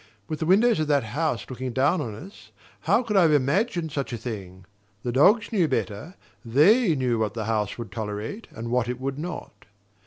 With the windows of that house looking down on us, how could I have imagined such a thing? The dogs knew better: THEY knew what the house would tolerate and what it would not.